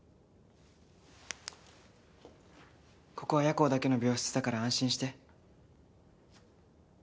ここは夜行だけの病室だから安心して。